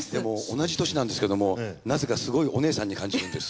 同じ年なんですけどもなぜかすごいお姉さんに感じるんです。